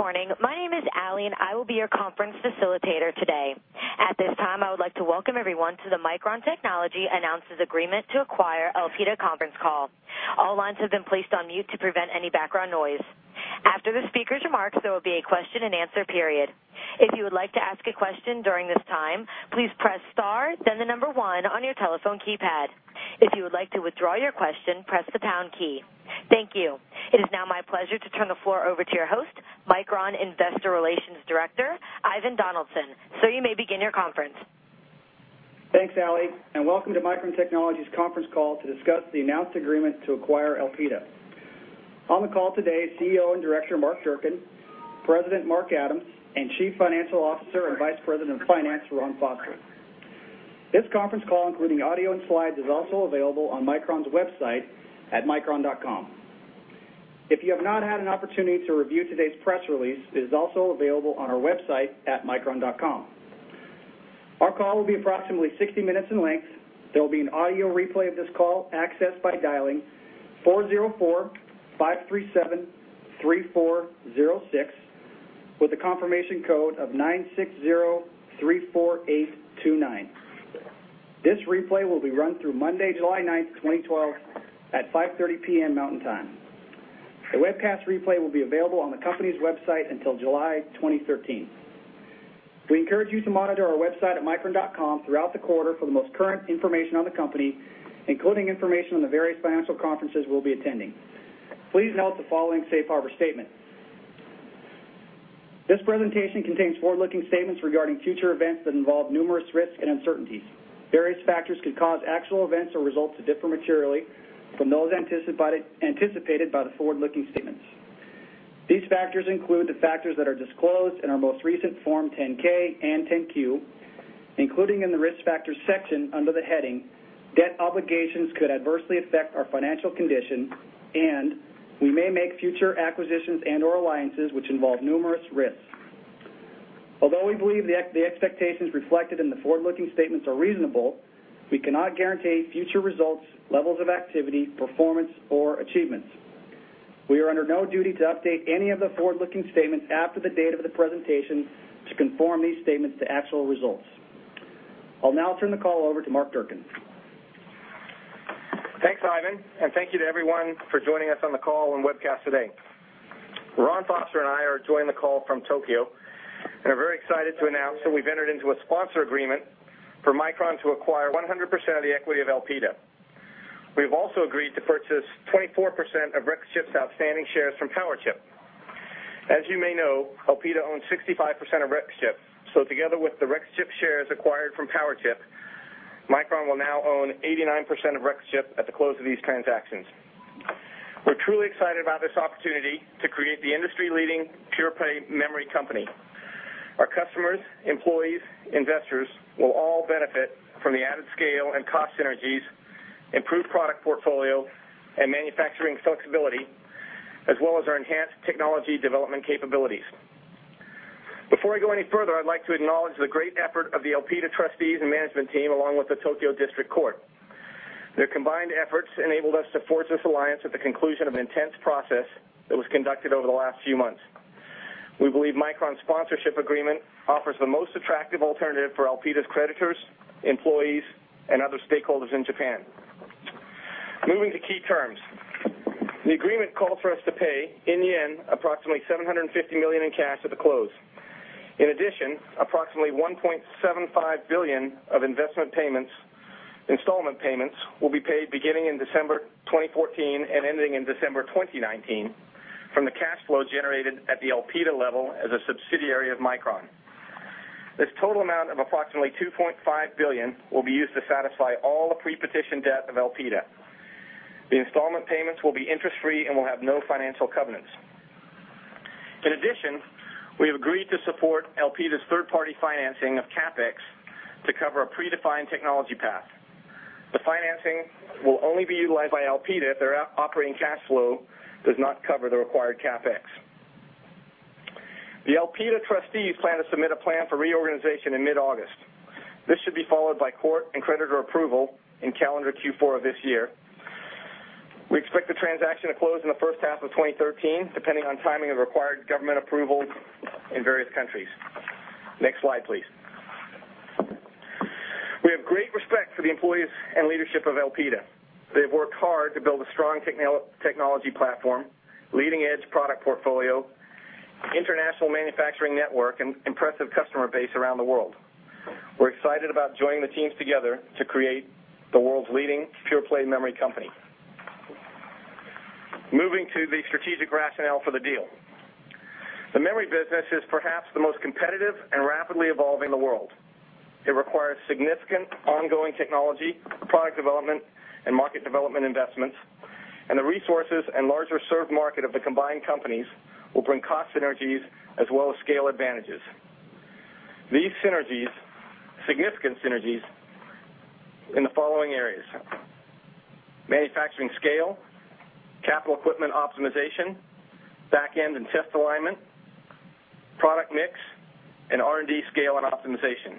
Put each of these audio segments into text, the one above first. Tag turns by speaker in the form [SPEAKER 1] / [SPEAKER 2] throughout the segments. [SPEAKER 1] Good morning. My name is Allie, and I will be your conference facilitator today. At this time, I would like to welcome everyone to the Micron Technology Announces Agreement to Acquire Elpida conference call. All lines have been placed on mute to prevent any background noise. After the speaker's remarks, there will be a question-and-answer period. If you would like to ask a question during this time, please press star then the number one on your telephone keypad. If you would like to withdraw your question, press the pound key. Thank you. It is now my pleasure to turn the floor over to your host, Micron Investor Relations Director, Ivan Donaldson. Sir, you may begin your conference.
[SPEAKER 2] Thanks, Allie. Welcome to Micron Technology's conference call to discuss the announced agreement to acquire Elpida. On the call today, CEO and Director, Mark Durcan, President, Mark Adams, and Chief Financial Officer and Vice President of Finance, Ron Foster. This conference call, including audio and slides, is also available on micron.com. If you have not had an opportunity to review today's press release, it is also available on our website at micron.com. Our call will be approximately 60 minutes in length. There will be an audio replay of this call accessed by dialing 404-537-3406 with a confirmation code of 96034829. This replay will be run through Monday, July 9th, 2012, at 5:30 P.M. Mountain Time. The webcast replay will be available on the company's website until July 2013. We encourage you to monitor our website at micron.com throughout the quarter for the most current information on the company, including information on the various financial conferences we'll be attending. Please note the following safe harbor statement. This presentation contains forward-looking statements regarding future events that involve numerous risks and uncertainties. Various factors could cause actual events or results to differ materially from those anticipated by the forward-looking statements. These factors include the factors that are disclosed in our most recent Form 10-K and 10-Q, including in the Risk Factors section under the heading, "Debt obligations could adversely affect our financial condition," and, "We may make future acquisitions and/or alliances which involve numerous risks." Although we believe the expectations reflected in the forward-looking statements are reasonable, we cannot guarantee future results, levels of activity, performance, or achievements. We are under no duty to update any of the forward-looking statements after the date of the presentation to conform these statements to actual results. I'll now turn the call over to Mark Durcan.
[SPEAKER 3] Thanks, Ivan, and thank you to everyone for joining us on the call and webcast today. Ron Foster and I are joining the call from Tokyo and are very excited to announce that we've entered into a sponsor agreement for Micron to acquire 100% of the equity of Elpida. We've also agreed to purchase 24% of Rexchip's outstanding shares from Powerchip. As you may know, Elpida owns 65% of Rexchip, so together with the Rexchip shares acquired from Powerchip, Micron will now own 89% of Rexchip at the close of these transactions. We're truly excited about this opportunity to create the industry-leading pure-play memory company. Our customers, employees, investors will all benefit from the added scale and cost synergies, improved product portfolio, and manufacturing flexibility, as well as our enhanced technology development capabilities. Before I go any further, I'd like to acknowledge the great effort of the Elpida trustees and management team, along with the Tokyo District Court. Their combined efforts enabled us to forge this alliance at the conclusion of an intense process that was conducted over the last few months. We believe Micron's sponsorship agreement offers the most attractive alternative for Elpida's creditors, employees, and other stakeholders in Japan. Moving to key terms. The agreement called for us to pay, in yen, approximately $750 million in cash at the close. In addition, approximately $1.75 billion of investment installment payments will be paid beginning in December 2014 and ending in December 2019 from the cash flow generated at the Elpida level as a subsidiary of Micron. This total amount of approximately $2.5 billion will be used to satisfy all the pre-petition debt of Elpida. The installment payments will be interest-free and will have no financial covenants. In addition, we have agreed to support Elpida's third-party financing of CapEx to cover a predefined technology path. The financing will only be utilized by Elpida if their operating cash flow does not cover the required CapEx. The Elpida trustees plan to submit a plan for reorganization in mid-August. This should be followed by court and creditor approval in calendar Q4 of this year. We expect the transaction to close in the first half of 2013, depending on timing of required government approvals in various countries. Next slide, please. We have great respect for the employees and leadership of Elpida. They've worked hard to build a strong technology platform, leading-edge product portfolio, international manufacturing network, and impressive customer base around the world. We're excited about joining the teams together to create the world's leading pure-play memory company. Moving to the strategic rationale for the deal. The memory business is perhaps the most competitive and rapidly evolving in the world. It requires significant ongoing technology, product development, and market development investments, and the resources and larger served market of the combined companies will bring cost synergies as well as scale advantages. These synergies, significant synergies, in the following areas: manufacturing scale, capital equipment optimization, back-end and test alignment, product mix, and R&D scale and optimization.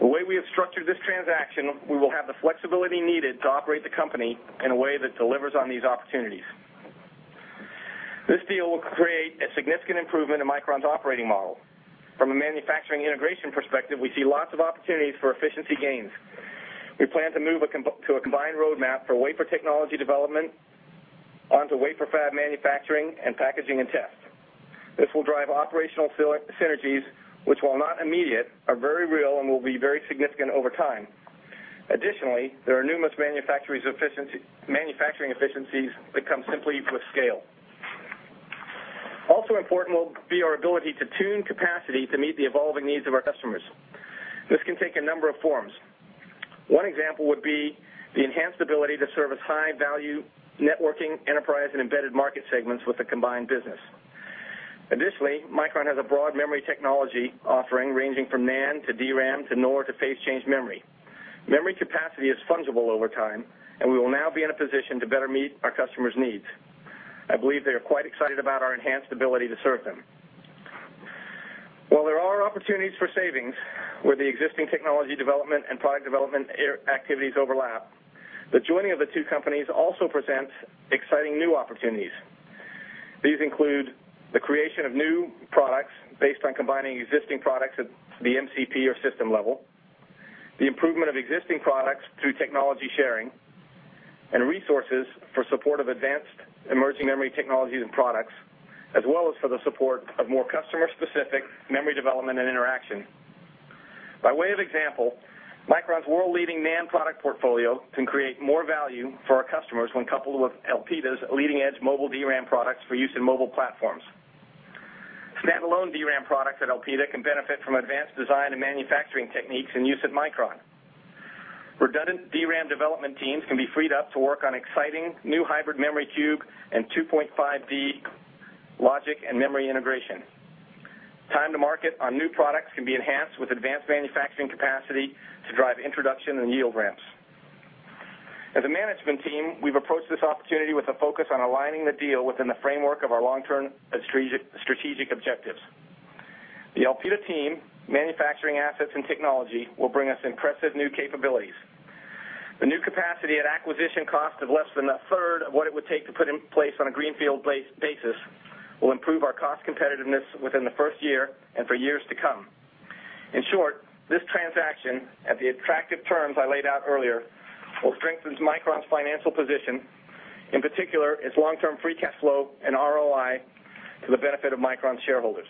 [SPEAKER 3] The way we have structured this transaction, we will have the flexibility needed to operate the company in a way that delivers on these opportunities. This deal will create a significant improvement in Micron's operating model. From a manufacturing integration perspective, we see lots of opportunities for efficiency gains. We plan to move to a combined roadmap for wafer technology development, onto wafer fab manufacturing, and packaging and test. This will drive operational synergies, which while not immediate, are very real and will be very significant over time. Additionally, there are numerous manufacturing efficiencies that come simply with scale. Also important will be our ability to tune capacity to meet the evolving needs of our customers. This can take a number of forms. One example would be the enhanced ability to service high-value networking, enterprise, and embedded market segments with the combined business. Additionally, Micron has a broad memory technology offering ranging from NAND, to DRAM, to NOR, to phase-change memory. Memory capacity is fungible over time, and we will now be in a position to better meet our customers' needs. I believe they are quite excited about our enhanced ability to serve them. While there are opportunities for savings where the existing technology development and product development activities overlap, the joining of the two companies also presents exciting new opportunities. These include the creation of new products based on combining existing products at the MCP or system level, the improvement of existing products through technology sharing, and resources for support of advanced emerging memory technologies and products, as well as for the support of more customer-specific memory development and interaction. By way of example, Micron's world-leading NAND product portfolio can create more value for our customers when coupled with Elpida's leading-edge Mobile DRAM products for use in mobile platforms. Standalone DRAM products at Elpida can benefit from advanced design and manufacturing techniques and use at Micron. Redundant DRAM development teams can be freed up to work on exciting new Hybrid Memory Cube and 2.5D logic and memory integration. Time to market on new products can be enhanced with advanced manufacturing capacity to drive introduction and yield ramps. As a management team, we've approached this opportunity with a focus on aligning the deal within the framework of our long-term strategic objectives. The Elpida team, manufacturing assets, and technology will bring us impressive new capabilities. The new capacity at acquisition cost of less than a third of what it would take to put in place on a greenfield basis will improve our cost competitiveness within the first year and for years to come. In short, this transaction, at the attractive terms I laid out earlier, will strengthen Micron's financial position, in particular, its long-term free cash flow and ROI to the benefit of Micron shareholders.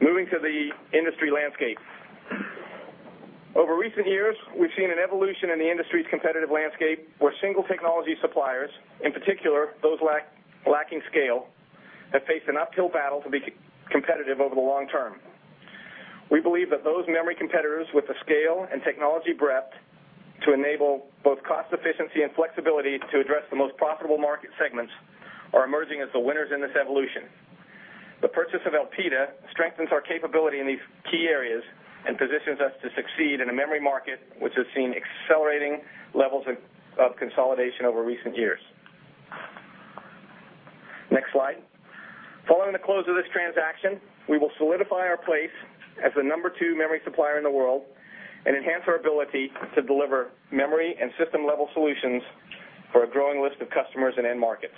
[SPEAKER 3] Moving to the industry landscape. Over recent years, we've seen an evolution in the industry's competitive landscape where single-technology suppliers, in particular, those lacking scale, have faced an uphill battle to be competitive over the long term. We believe that those memory competitors with the scale and technology breadth to enable both cost efficiency and flexibility to address the most profitable market segments are emerging as the winners in this evolution. The purchase of Elpida strengthens our capability in these key areas and positions us to succeed in a memory market which has seen accelerating levels of consolidation over recent years. Next slide. Following the close of this transaction, we will solidify our place as the number 2 memory supplier in the world and enhance our ability to deliver memory and system-level solutions for a growing list of customers and end markets.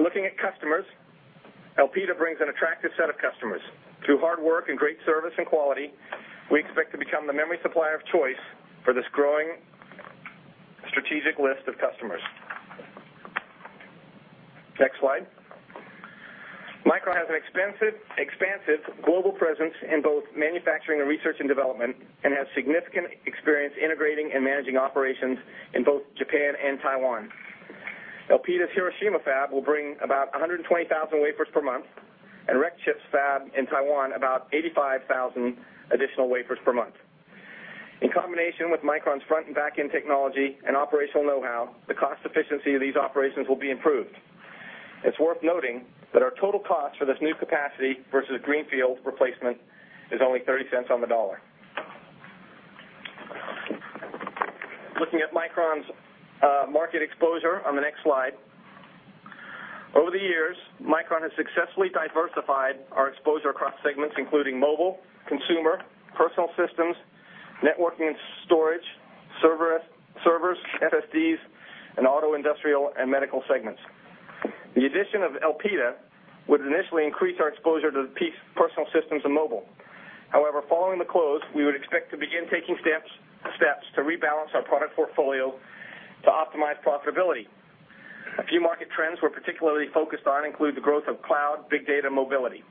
[SPEAKER 3] Looking at customers, Elpida brings an attractive set of customers. Through hard work and great service and quality, we expect to become the memory supplier of choice for this growing strategic list of customers. Next slide. Micron has an expansive global presence in both manufacturing and research and development and has significant experience integrating and managing operations in both Japan and Taiwan. Elpida's Hiroshima fab will bring about 120,000 wafers per month, and Rexchip's fab in Taiwan, about 85,000 additional wafers per month. In combination with Micron's front and back-end technology and operational know-how, the cost efficiency of these operations will be improved. It's worth noting that our total cost for this new capacity versus greenfield replacement is only $0.30 on the dollar. Looking at Micron's market exposure on the next slide. Over the years, Micron has successfully diversified our exposure across segments including mobile, consumer, personal systems, networking and storage, servers, SSDs, and auto, industrial, and medical segments. The addition of Elpida would initially increase our exposure to personal systems and mobile. Following the close, we would expect to begin taking steps to rebalance our product portfolio to optimize profitability. A few market trends we're particularly focused on include the growth of cloud, big data, and mobility.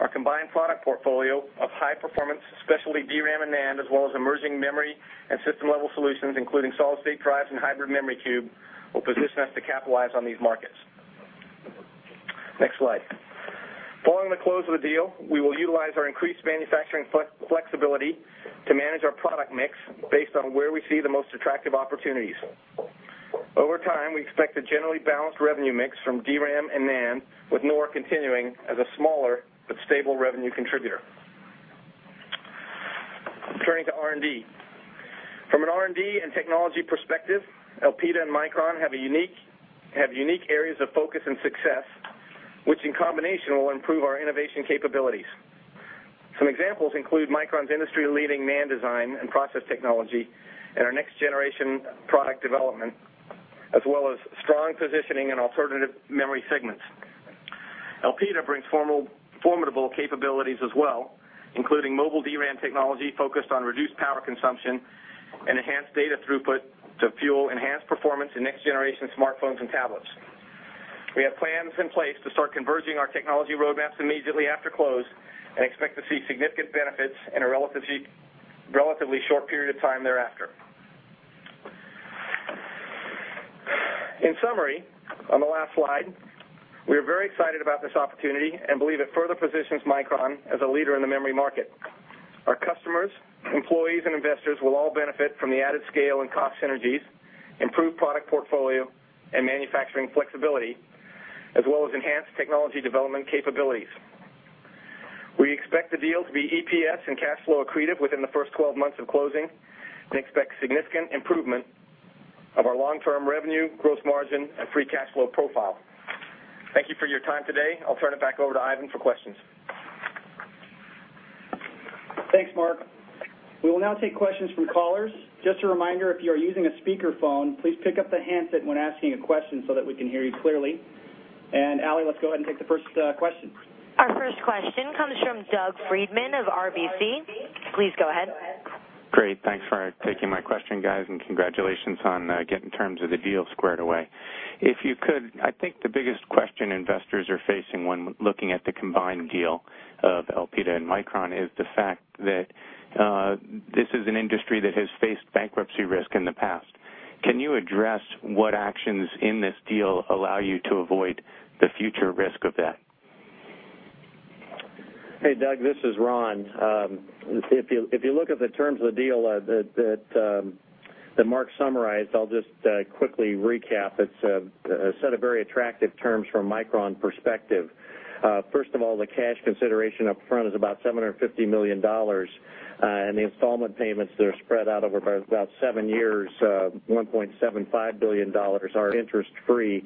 [SPEAKER 3] Our combined product portfolio of high-performance specialty DRAM and NAND, as well as emerging memory and system-level solutions including solid-state drives and Hybrid Memory Cube, will position us to capitalize on these markets. Next slide. Following the close of the deal, we will utilize our increased manufacturing flexibility to manage our product mix based on where we see the most attractive opportunities. Over time, we expect a generally balanced revenue mix from DRAM and NAND, with NOR continuing as a smaller but stable revenue contributor. Turning to R&D. From an R&D and technology perspective, Elpida and Micron have unique areas of focus and success, which in combination will improve our innovation capabilities. Some examples include Micron's industry-leading NAND design and process technology, and our next-generation product development, as well as strong positioning in alternative memory segments. Elpida brings formidable capabilities as well, including Mobile DRAM technology focused on reduced power consumption and enhanced data throughput to fuel enhanced performance in next-generation smartphones and tablets. We have plans in place to start converging our technology roadmaps immediately after close and expect to see significant benefits in a relatively short period of time thereafter. In summary, on the last slide, we are very excited about this opportunity and believe it further positions Micron as a leader in the memory market. Our customers, employees, and investors will all benefit from the added scale and cost synergies, improved product portfolio and manufacturing flexibility, as well as enhanced technology development capabilities. We expect the deal to be EPS and cash flow accretive within the first 12 months of closing and expect significant improvement of our long-term revenue, gross margin, and free cash flow profile. Thank you for your time today. I'll turn it back over to Ivan for questions.
[SPEAKER 2] Thanks, Mark. We will now take questions from callers. Just a reminder, if you are using a speakerphone, please pick up the handset when asking a question so that we can hear you clearly. Allie, let's go ahead and take the first question.
[SPEAKER 1] Our first question comes from Doug Freedman of RBC. Please go ahead.
[SPEAKER 4] Great. Thanks for taking my question, guys, and congratulations on getting terms of the deal squared away. If you could, I think the biggest question investors are facing when looking at the combined deal of Elpida and Micron is the fact that this is an industry that has faced bankruptcy risk in the past. Can you address what actions in this deal allow you to avoid the future risk of that?
[SPEAKER 5] Hey, Doug, this is Ron. If you look at the terms of the deal that Mark summarized, I'll just quickly recap. It's a set of very attractive terms from Micron perspective. First of all, the cash consideration up front is about $750 million, and the installment payments that are spread out over about seven years, $1.75 billion, are interest free.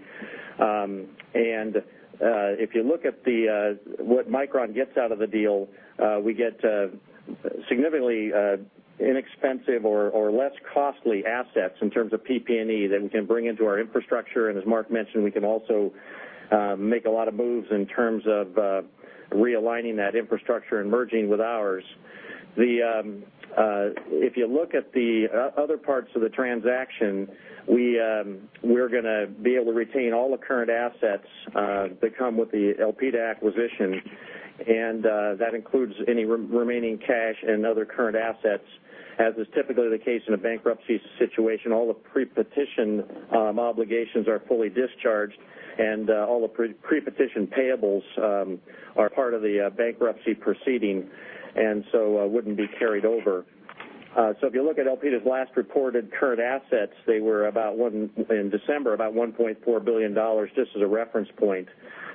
[SPEAKER 5] If you look at what Micron gets out of the deal, we get significantly inexpensive or less costly assets in terms of PP&E that we can bring into our infrastructure. As Mark mentioned, we can also make a lot of moves in terms of realigning that infrastructure and merging with ours. If you look at the other parts of the transaction, we're going to be able to retain all the current assets that come with the Elpida acquisition, and that includes any remaining cash and other current assets. As is typically the case in a bankruptcy situation, all the pre-petition obligations are fully discharged, and all the pre-petition payables are part of the bankruptcy proceeding and so wouldn't be carried over. If you look at Elpida's last reported current assets, they were, in December, about $1.4 billion, just as a reference point.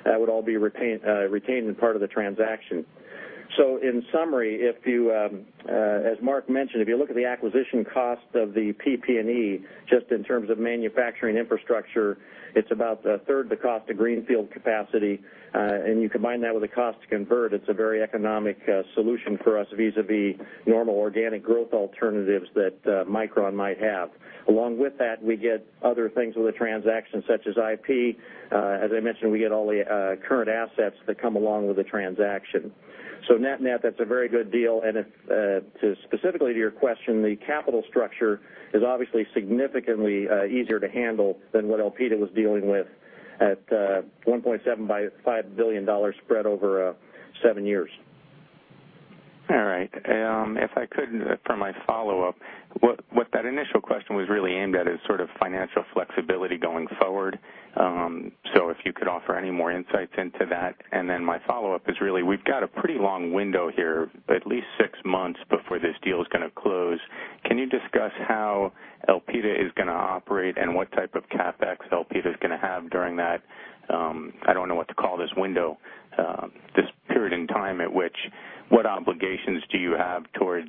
[SPEAKER 5] That would all be retained as part of the transaction. In summary, as Mark mentioned, if you look at the acquisition cost of the PP&E, just in terms of manufacturing infrastructure, it's about a third the cost of greenfield capacity. You combine that with the cost to convert, it's a very economic solution for us vis-a-vis normal organic growth alternatives that Micron might have. Along with that, we get other things with the transaction, such as IP. As I mentioned, we get all the current assets that come along with the transaction. Net-net, that's a very good deal, and specifically to your question, the capital structure is obviously significantly easier to handle than what Elpida was dealing with at $1.75 billion spread over seven years.
[SPEAKER 4] All right. If I could, for my follow-up, what that initial question was really aimed at is financial flexibility going forward. If you could offer any more insights into that. Then my follow-up is really, we've got a pretty long window here, at least six months before this deal is going to close. Can you discuss how Elpida is going to operate and what type of CapEx Elpida is going to have during that, I don't know what to call this window, this period in time at which, what obligations do you have towards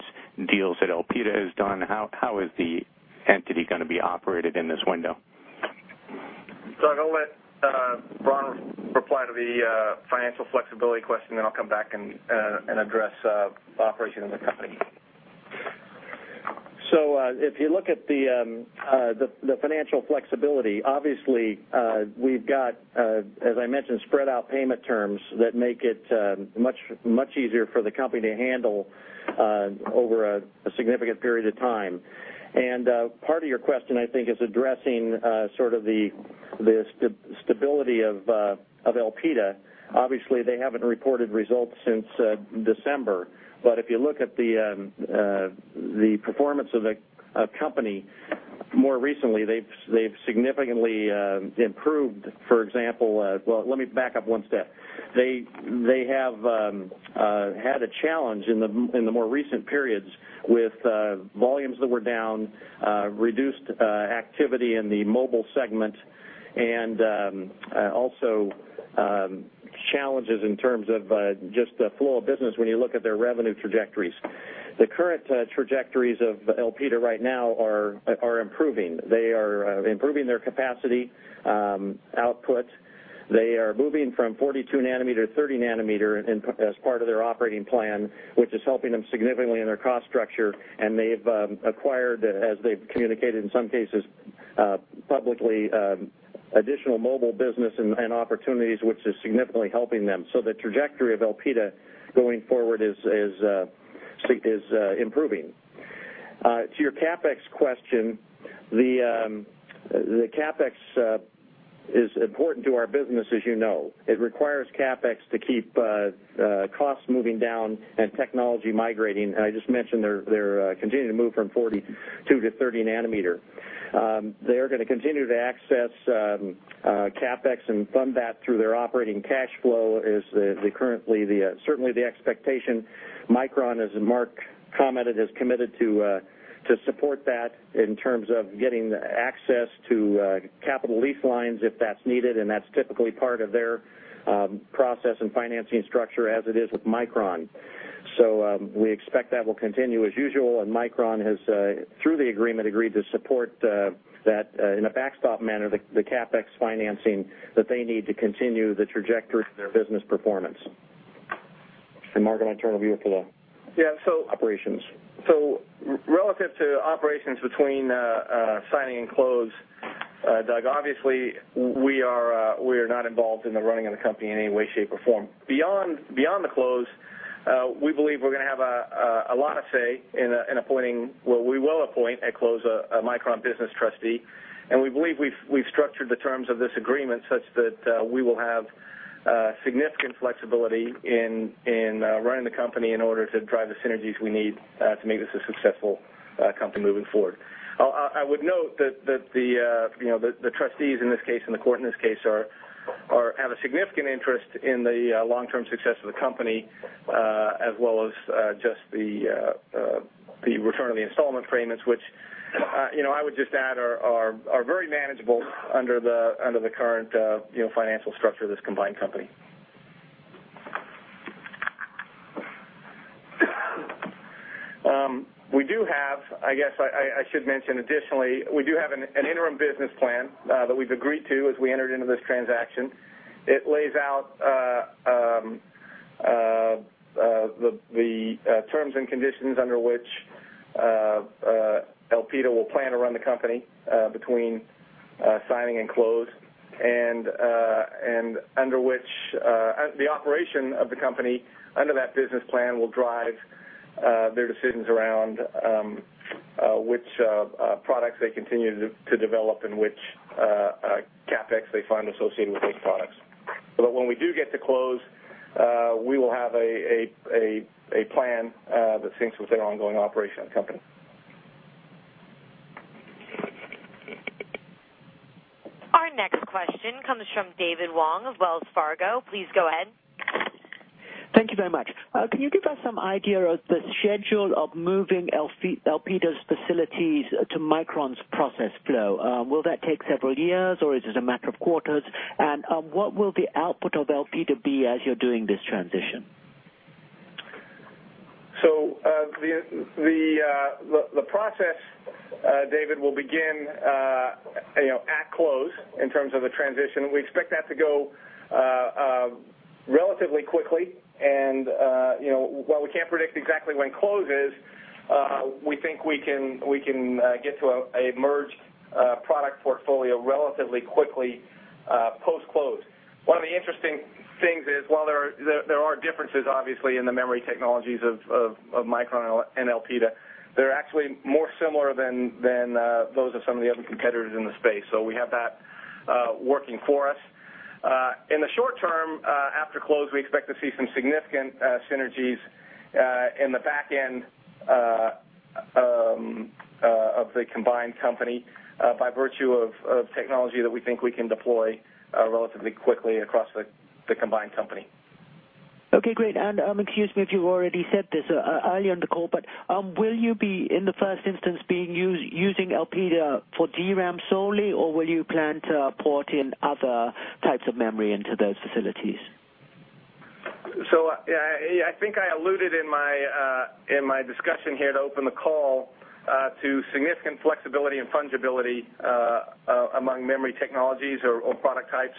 [SPEAKER 4] deals that Elpida has done? How is the entity going to be operated in this window?
[SPEAKER 3] I'm going to let Ron reply to the financial flexibility question. I'll come back and address operation of the company.
[SPEAKER 5] If you look at the financial flexibility, obviously, we've got, as I mentioned, spread-out payment terms that make it much easier for the company to handle over a significant period of time. Part of your question, I think, is addressing the stability of Elpida. Obviously, they haven't reported results since December. If you look at the performance of the company more recently, they've significantly improved. Let me back up one step. They have had a challenge in the more recent periods with volumes that were down, reduced activity in the mobile segment, and also challenges in terms of just the flow of business when you look at their revenue trajectories. The current trajectories of Elpida right now are improving. They are improving their capacity output. They are moving from 42 nm to 30 nm as part of their operating plan, which is helping them significantly in their cost structure, and they've acquired, as they've communicated in some cases publicly, additional mobile business and opportunities, which is significantly helping them. The trajectory of Elpida going forward is improving. To your CapEx question, the CapEx is important to our business as you know. It requires CapEx to keep costs moving down and technology migrating. I just mentioned they're continuing to move from 42 to 30 nm. They're going to continue to access CapEx and fund that through their operating cash flow is certainly the expectation. Micron, as Mark commented, has committed to support that in terms of getting access to capital lease lines if that's needed, and that's typically part of their process and financing structure as it is with Micron. We expect that will continue as usual, Micron has, through the agreement, agreed to support that in a backstop manner, the CapEx financing that they need to continue the trajectory of their business performance.
[SPEAKER 1] Mark, I turn it over to you for the operations.
[SPEAKER 3] Relative to operations between signing and close, Doug, obviously, we are not involved in the running of the company in any way, shape, or form. Beyond the close, we believe we're going to have a lot of say in appointing, well, we will appoint, at close, a Micron business trustee. We believe we've structured the terms of this agreement such that we will have significant flexibility in running the company in order to drive the synergies we need to make this a successful company moving forward. I would note that the trustees in this case, and the court in this case, have a significant interest in the long-term success of the company, as well as just the return on the installment payments, which I would just add, are very manageable under the current financial structure of this combined company. We do have, I guess I should mention additionally, we do have an interim business plan that we've agreed to as we entered into this transaction. It lays out the terms and conditions under which Elpida will plan to run the company between signing and close, and the operation of the company under that business plan will drive their decisions around which products they continue to develop and which CapEx they fund associated with those products. When we do get to close, we will have a plan that syncs with their ongoing operation of the company.
[SPEAKER 1] Our next question comes from David Wong of Wells Fargo. Please go ahead.
[SPEAKER 6] Thank you very much. Can you give us some idea of the schedule of moving Elpida's facilities to Micron's process flow? Will that take several years, or is it a matter of quarters? What will the output of Elpida be as you're doing this transition?
[SPEAKER 3] The process, David, will begin at close in terms of the transition. We expect that to go relatively quickly. While we can't predict exactly when close is, we think we can get to a merged product portfolio relatively quickly post-close. One of the interesting things is while there are differences, obviously, in the memory technologies of Micron and Elpida, they're actually more similar than those of some of the other competitors in the space. We have that working for us. In the short term, after close, we expect to see some significant synergies in the back end of the combined company by virtue of technology that we think we can deploy relatively quickly across the combined company.
[SPEAKER 6] Okay, great. Excuse me if you already said this earlier in the call, but will you be, in the first instance, using Elpida for DRAM solely, or will you plan to port in other types of memory into those facilities?
[SPEAKER 3] I think I alluded in my discussion here to open the call to significant flexibility and fungibility among memory technologies or product types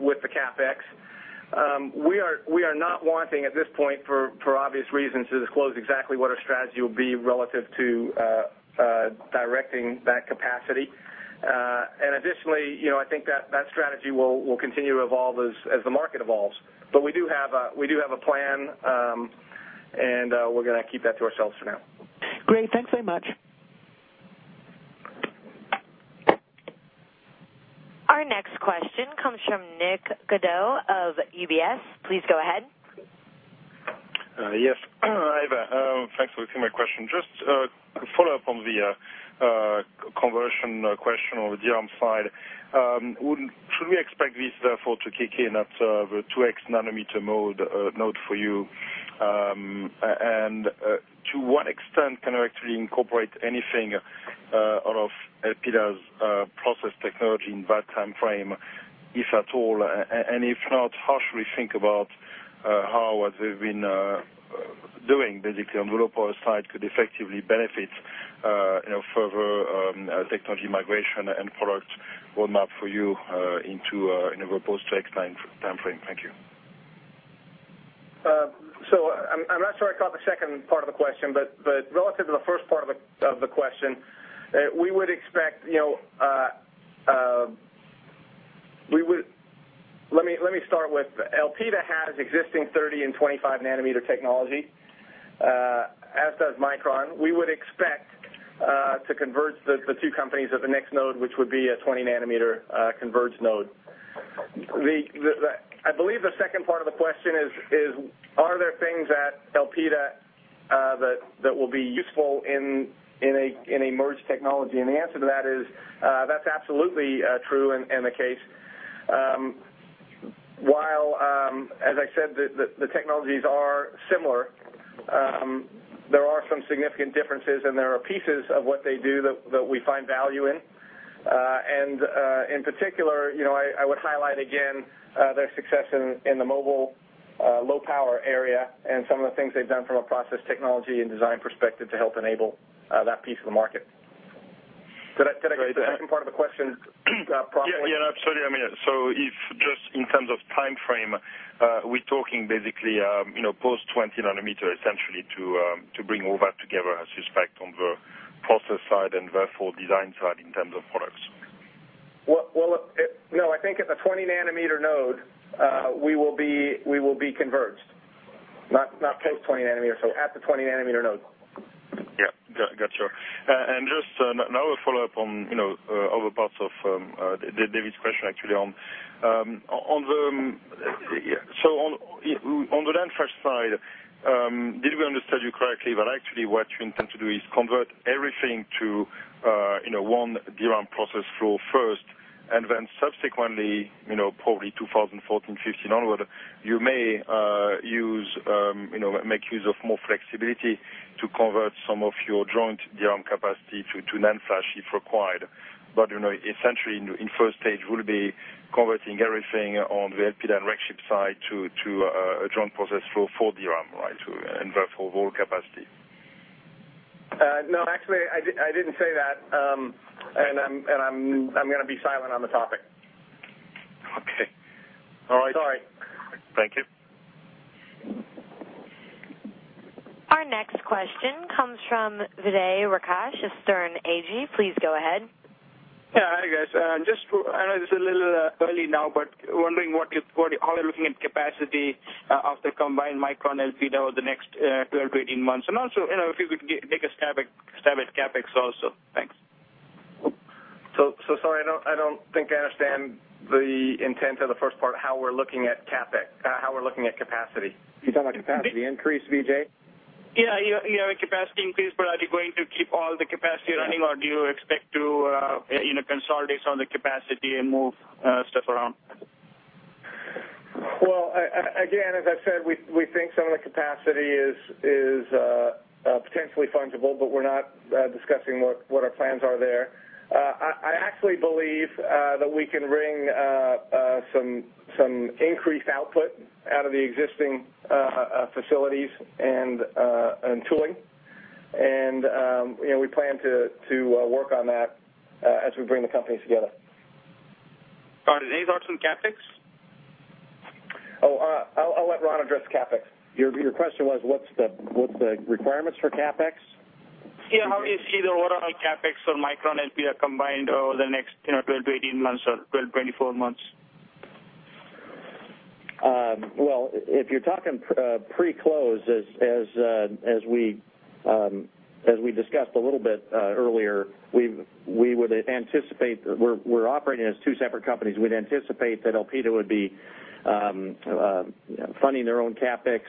[SPEAKER 3] with the CapEx. We are not wanting at this point, for obvious reasons, to disclose exactly what our strategy will be relative to directing that capacity. Additionally, I think that strategy will continue to evolve as the market evolves. We do have a plan, and we're going to keep that to ourselves for now.
[SPEAKER 6] Great. Thanks very much.
[SPEAKER 1] Our next question comes from Nick Gaudois of UBS. Please go ahead.
[SPEAKER 7] Yes. Hi there. Thanks for taking my question. Just a follow-up on the conversion question on the DRAM side. Should we expect this therefore to kick in at the 2x nm node for you? To what extent can you actually incorporate anything out of Elpida's process technology in that timeframe, if at all? If not, how should we think about how what they've been doing, basically, on the low-power side could effectively benefit further technology migration and product roadmap for you in post 2x timeframe? Thank you.
[SPEAKER 3] I'm not sure I caught the second part of the question, relative to the first part of the question, let me start with Elpida has existing 30 and 25 nm technology, as does Micron. We would expect to converge the two companies at the next node, which would be a 20 nm converged node. I believe the second part of the question is, are there things at Elpida that will be useful in a merged technology? The answer to that is, that's absolutely true and the case. While, as I said, the technologies are similar, there are some significant differences, and there are pieces of what they do that we find value in. In particular, I would highlight again their success in the mobile low-power area and some of the things they've done from a process technology and design perspective to help enable that piece of the market. Did I get the second part of the question properly?
[SPEAKER 7] Absolutely. If just in terms of timeframe, we're talking basically post 20 nm essentially to bring all that together, I suspect, on the process side and therefore design side in terms of products.
[SPEAKER 3] No, I think at the 20 nm node, we will be converged. Not post 20 nm. At the 20 nm node.
[SPEAKER 7] Got you. Just now a follow-up on other parts of David's question, actually. On the NAND flash side, did we understand you correctly that actually what you intend to do is convert everything to one DRAM process flow first, then subsequently, probably 2014, 2015 onward, you may make use of more flexibility to convert some of your joint DRAM capacity to NAND flash if required. Essentially, in first stage, you will be converting everything on the Elpida and Rexchip side to a joint process flow for DRAM. Right? Therefore, whole capacity.
[SPEAKER 3] No, actually, I didn't say that. I'm going to be silent on the topic.
[SPEAKER 7] Okay. All right.
[SPEAKER 3] Sorry.
[SPEAKER 7] Thank you.
[SPEAKER 1] Our next question comes from Vijay Rakesh of Sterne Agee. Please go ahead.
[SPEAKER 8] Yeah, hi, guys. I know this is a little early now, but wondering how you're looking at capacity of the combined Micron-Elpida over the next 12-18 months. Also, if you could take a stab at CapEx also. Thanks.
[SPEAKER 3] Sorry, I don't think I understand the intent of the first part, how we're looking at capacity.
[SPEAKER 5] You're talking about capacity increase, Vijay?
[SPEAKER 8] Yeah. You have a capacity increase, but are you going to keep all the capacity running, or do you expect to consolidate some of the capacity and move stuff around?
[SPEAKER 3] Well, again, as I said, we think some of the capacity is potentially fungible, but we're not discussing what our plans are there. I actually believe that we can wring some increased output out of the existing facilities and tooling, and we plan to work on that as we bring the companies together.
[SPEAKER 8] Got it. Any thoughts on CapEx?
[SPEAKER 3] Oh, I'll let Ron address CapEx.
[SPEAKER 5] Your question was what's the requirements for CapEx?
[SPEAKER 8] Yeah. How you see the overall CapEx for Micron-Elpida combined over the next 12 to 18 months or 12 to 24 months?
[SPEAKER 5] Well, if you're talking pre-close, as we discussed a little bit earlier, we're operating as two separate companies. We'd anticipate that Elpida would be funding their own CapEx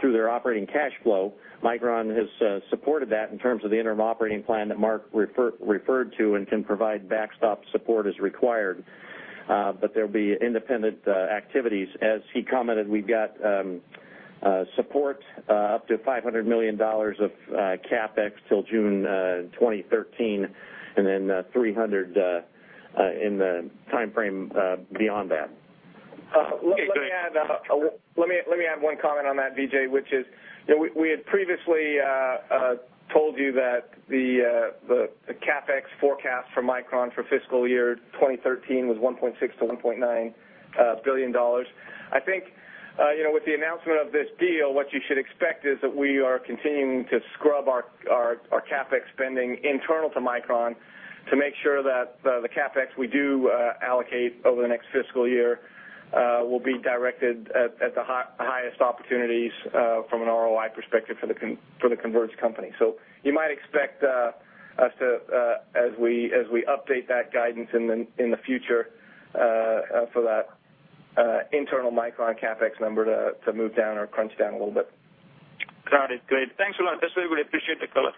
[SPEAKER 5] through their operating cash flow. Micron has supported that in terms of the interim operating plan that Mark referred to and can provide backstop support as required. There'll be independent activities. As he commented, we've got support up to $500 million of CapEx till June 2013, and then $300 in the timeframe beyond that.
[SPEAKER 3] Let me add one comment on that, Vijay, which is, we had previously told you that the CapEx forecast for Micron for fiscal year 2013 was $1.6 billion-$1.9 billion. I think, with the announcement of this deal, what you should expect is that we are continuing to scrub our CapEx spending internal to Micron to make sure that the CapEx we do allocate over the next fiscal year will be directed at the highest opportunities from an ROI perspective for the converged company. You might expect us, as we update that guidance in the future for that internal Micron CapEx number, to move down or crunch down a little bit.
[SPEAKER 8] Got it. Great. Thanks a lot. That's it. Really appreciate the color.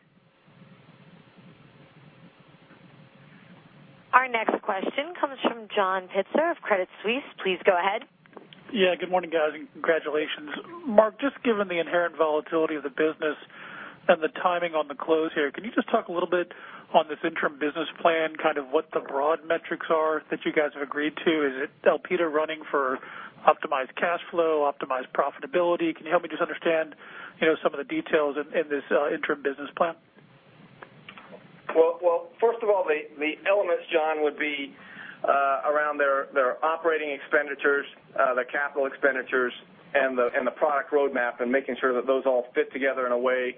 [SPEAKER 1] John Pitzer of Credit Suisse, please go ahead.
[SPEAKER 9] Yeah. Good morning, guys, and congratulations. Mark, just given the inherent volatility of the business and the timing on the close here, can you just talk a little bit on this interim business plan, what the broad metrics are that you guys have agreed to? Is it Elpida running for optimized cash flow, optimized profitability? Can you help me just understand some of the details in this interim business plan?
[SPEAKER 3] Well, first of all, the elements, John, would be around their operating expenditures, their capital expenditures, and the product roadmap, and making sure that those all fit together in a way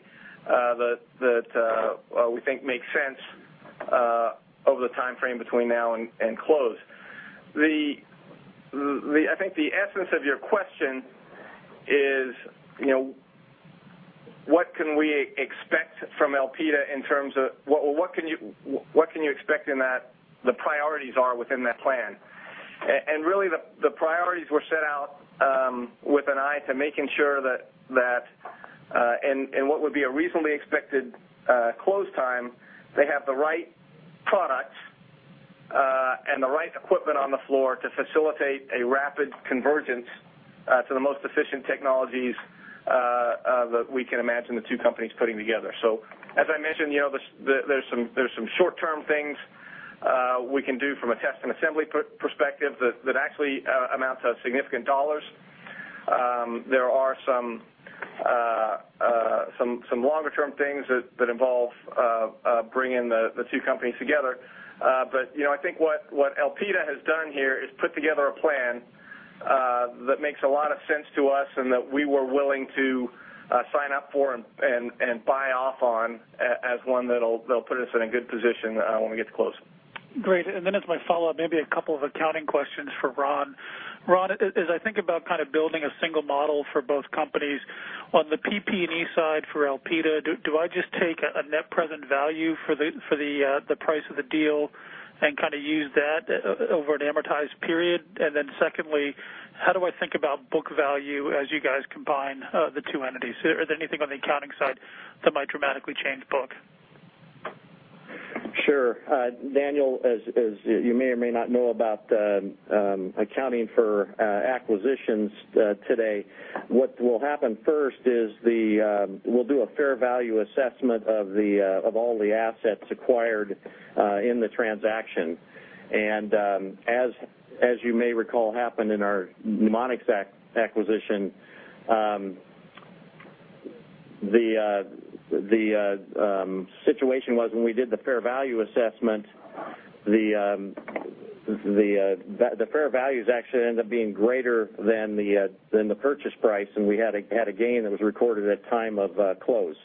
[SPEAKER 3] that we think makes sense over the timeframe between now and close. I think the essence of your question is what can you expect in that the priorities are within that plan. Really, the priorities were set out with an eye to making sure that in what would be a reasonably expected close time, they have the right products and the right equipment on the floor to facilitate a rapid convergence to the most efficient technologies that we can imagine the two companies putting together. As I mentioned, there's some short-term things we can do from a test and assembly perspective that actually amounts to significant dollars. There are some longer-term things that involve bringing the two companies together. I think what Elpida has done here is put together a plan that makes a lot of sense to us and that we were willing to sign up for and buy off on as one that'll put us in a good position when we get to close.
[SPEAKER 9] Great. As my follow-up, maybe a couple of accounting questions for Ron. Ron, as I think about building a single model for both companies, on the PP&E side for Elpida, do I just take a net present value for the price of the deal and use that over an amortized period? Secondly, how do I think about book value as you guys combine the two entities? Is there anything on the accounting side that might dramatically change book?
[SPEAKER 5] Sure. John, as you may or may not know about accounting for acquisitions today, what will happen first is we'll do a fair value assessment of all the assets acquired in the transaction. As you may recall happened in our Numonyx acquisition, the situation was when we did the fair value assessment, the fair values actually ended up being greater than the purchase price, and we had a gain that was recorded at time of close.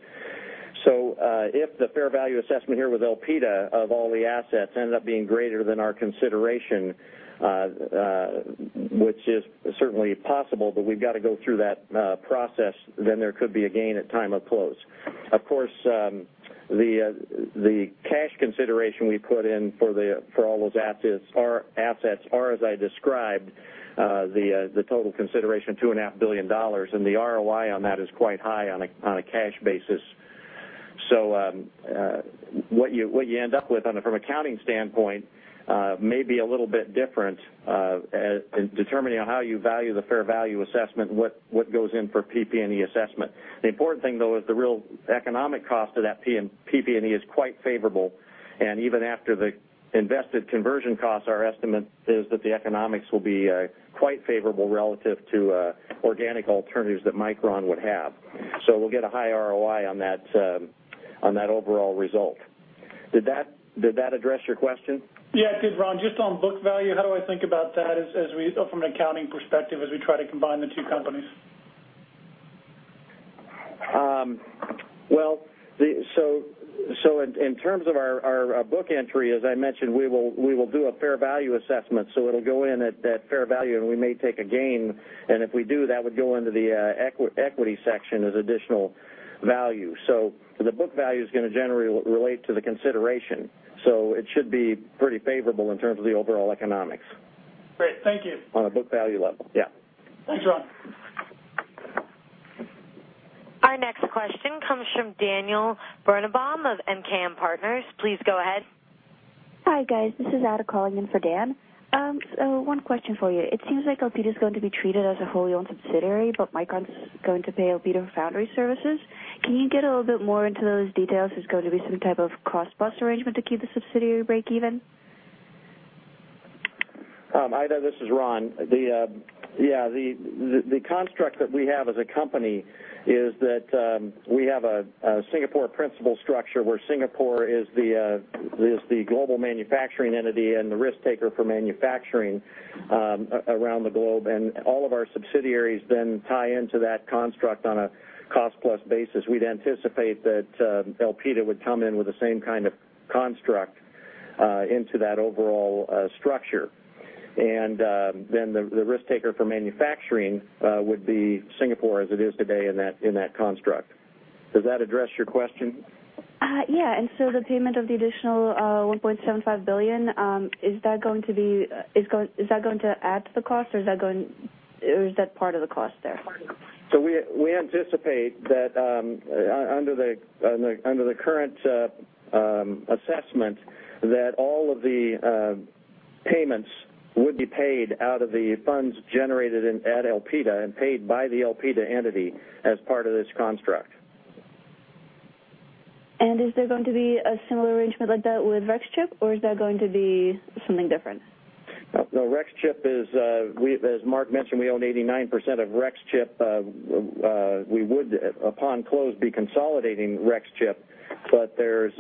[SPEAKER 5] If the fair value assessment here with Elpida of all the assets ended up being greater than our consideration, which is certainly possible, but we've got to go through that process, then there could be a gain at time of close. Of course, the cash consideration we put in for all those assets are, as I described, the total consideration, $2.5 billion, and the ROI on that is quite high on a cash basis. What you end up with from an accounting standpoint may be a little bit different in determining how you value the fair value assessment and what goes in for PP&E assessment. The important thing, though, is the real economic cost of that PP&E is quite favorable, and even after the invested conversion cost, our estimate is that the economics will be quite favorable relative to organic alternatives that Micron would have. We'll get a high ROI on that overall result. Did that address your question?
[SPEAKER 9] Yeah, it did, Ron. Just on book value, how do I think about that from an accounting perspective as we try to combine the two companies?
[SPEAKER 5] In terms of our book entry, as I mentioned, we will do a fair value assessment. It'll go in at that fair value, and we may take a gain, and if we do, that would go into the equity section as additional value. The book value is going to generally relate to the consideration, it should be pretty favorable in terms of the overall economics.
[SPEAKER 9] Great. Thank you.
[SPEAKER 5] On a book value level. Yeah.
[SPEAKER 9] Thanks, Ron.
[SPEAKER 1] Our next question comes from Daniel Berenbaum of MKM Partners. Please go ahead.
[SPEAKER 10] Hi, guys. This is Ada calling in for Dan. One question for you. It seems like Elpida is going to be treated as a wholly owned subsidiary, but Micron's going to pay Elpida foundry services. Can you get a little bit more into those details? There's going to be some type of cost-plus arrangement to keep the subsidiary break even?
[SPEAKER 5] Ada, this is Ron. Yeah, the construct that we have as a company is that we have a Singapore principal structure where Singapore is the global manufacturing entity and the risk taker for manufacturing around the globe, and all of our subsidiaries then tie into that construct on a cost-plus basis. We'd anticipate that Elpida would come in with the same kind of construct into that overall structure. The risk taker for manufacturing would be Singapore as it is today in that construct. Does that address your question?
[SPEAKER 10] Yeah. The payment of the additional $1.75 billion, is that going to add to the cost, or is that part of the cost there?
[SPEAKER 5] We anticipate that under the current assessment, that all of the Payments would be paid out of the funds generated at Elpida and paid by the Elpida entity as part of this construct.
[SPEAKER 10] Is there going to be a similar arrangement like that with Rexchip, or is that going to be something different?
[SPEAKER 5] No, Rexchip, as Mark mentioned, we own 89% of Rexchip. We would, upon close, be consolidating Rexchip, but there's,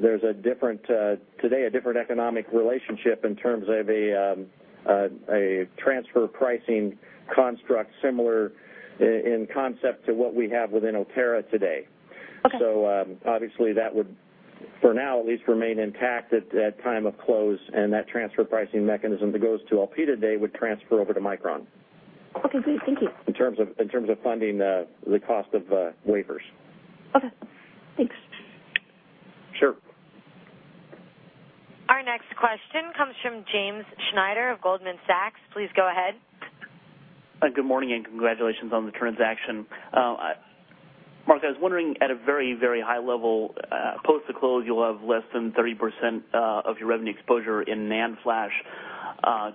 [SPEAKER 5] today, a different economic relationship in terms of a transfer pricing construct, similar in concept to what we have within Inotera today.
[SPEAKER 10] Okay.
[SPEAKER 5] Obviously, that would, for now at least, remain intact at time of close, and that transfer pricing mechanism that goes to Elpida today would transfer over to Micron.
[SPEAKER 10] Okay, great. Thank you.
[SPEAKER 5] In terms of funding the cost of wafers.
[SPEAKER 10] Okay, thanks.
[SPEAKER 5] Sure.
[SPEAKER 1] Our next question comes from James Schneider of Goldman Sachs. Please go ahead.
[SPEAKER 11] Good morning, and congratulations on the transaction. Mark, I was wondering, at a very high level, post the close, you'll have less than 30% of your revenue exposure in NAND flash.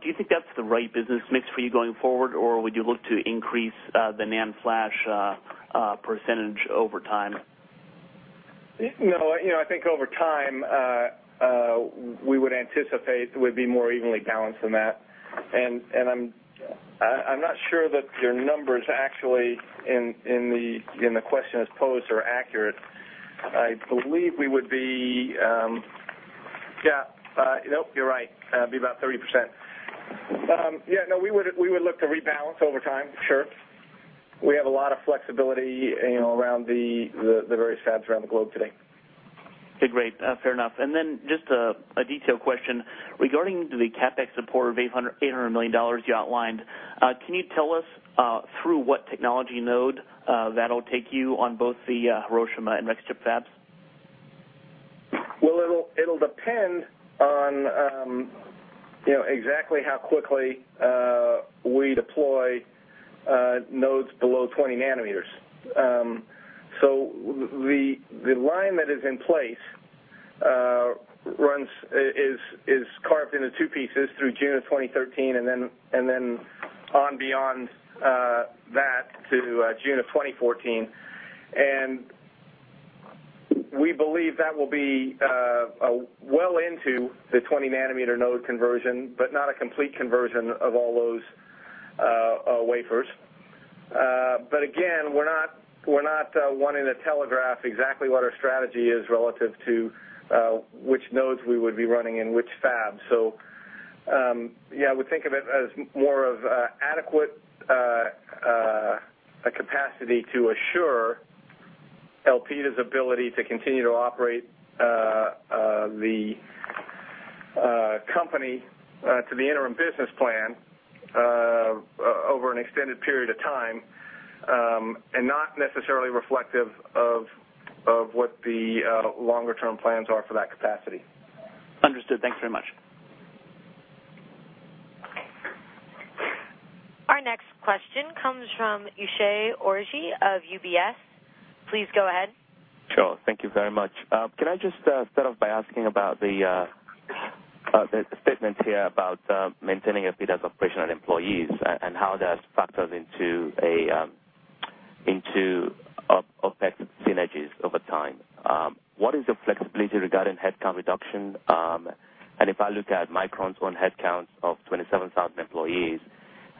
[SPEAKER 11] Do you think that's the right business mix for you going forward, or would you look to increase the NAND flash percentage over time?
[SPEAKER 3] No. I think over time, we would anticipate it would be more evenly balanced than that. I'm not sure that your numbers actually, in the question as posed, are accurate. No, you're right. It'd be about 30%. No, we would look to rebalance over time, sure. We have a lot of flexibility around the various fabs around the globe today.
[SPEAKER 11] Great. Fair enough. Just a detailed question. Regarding the CapEx support of $800 million you outlined, can you tell us through what technology node that'll take you on both the Hiroshima and Rexchip fabs?
[SPEAKER 3] Well, it'll depend on exactly how quickly we deploy nodes below 20 nanometers. The line that is in place is carved into two pieces through June of 2013, and then on beyond that to June of 2014. We believe that will be well into the 20-nanometer node conversion, but not a complete conversion of all those wafers. Again, we're not wanting to telegraph exactly what our strategy is relative to which nodes we would be running in which fab. I would think of it as more of adequate capacity to assure Elpida's ability to continue to operate the company to the interim business plan over an extended period of time, and not necessarily reflective of what the longer-term plans are for that capacity.
[SPEAKER 11] Understood. Thanks very much.
[SPEAKER 1] Our next question comes from Hadi Orabi of UBS. Please go ahead.
[SPEAKER 12] Sure. Thank you very much. Can I just start off by asking about the statement here about maintaining Elpida's operational employees and how that factors into OpEx synergies over time? What is your flexibility regarding headcount reduction? If I look at Micron's own headcount of 27,000 employees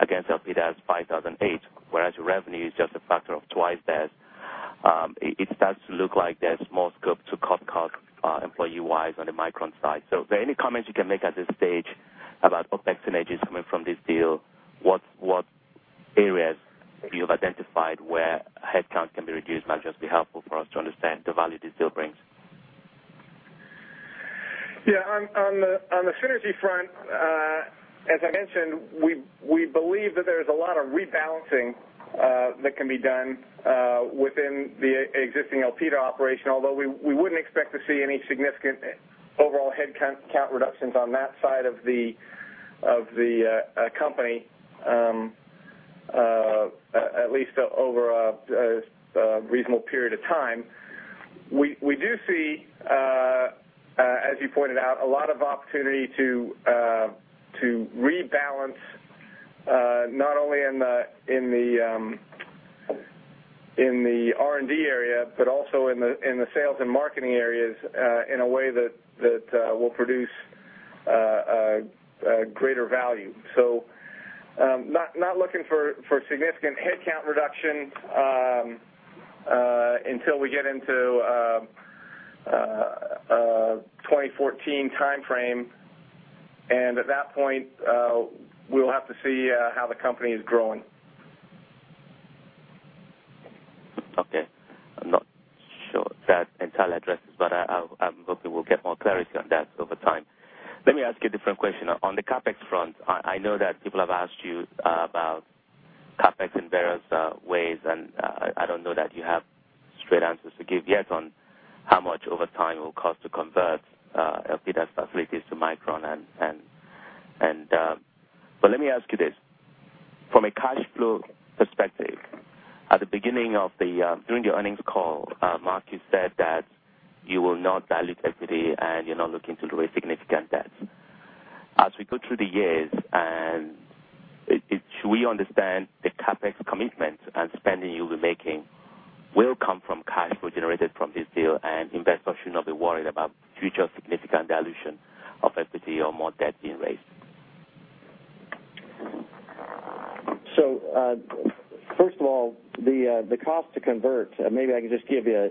[SPEAKER 12] against Elpida's 5,008, whereas your revenue is just a factor of twice theirs, it starts to look like there's more scope to cut costs employee-wise on the Micron side. Are there any comments you can make at this stage about OpEx synergies coming from this deal? What areas you've identified where headcount can be reduced might just be helpful for us to understand the value this deal brings.
[SPEAKER 3] On the synergy front, as I mentioned, we believe that there's a lot of rebalancing that can be done within the existing Elpida operation. Although we wouldn't expect to see any significant overall headcount reductions on that side of the company, at least over a reasonable period of time. We do see, as you pointed out, a lot of opportunity to rebalance, not only in the R&D area, but also in the sales and marketing areas, in a way that will produce greater value. Not looking for significant headcount reduction until we get into 2014 timeframe, and at that point, we'll have to see how the company is growing.
[SPEAKER 12] Okay. I'm not sure that entirely addresses, but I'm hoping we'll get more clarity on that over time. Let me ask you a different question. On the CapEx front, I know that people have asked you about CapEx in various ways, and I don't know that you have straight answers to give yet on how much over time it will cost to convert Elpida's facilities to Micron. Let me ask you this From a cash flow perspective, at the beginning of the-- During the earnings call, Mark, you said that you will not dilute equity, and you're not looking to raise significant debt. Should we understand the CapEx commitment and spending you'll be making will come from cash flow generated from this deal, and investors should not be worried about future significant dilution of equity or more debt being raised?
[SPEAKER 5] First of all, the cost to convert, maybe I can just give you